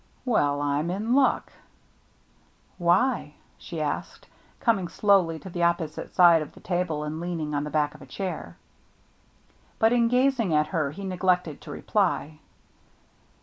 « Well, I'm in luck." " Why ?" she asked, coming slowly to the opposite side of the table and leaning on the back of a chain THE NEW MATE 65 But in gazing at her he neglected to reply.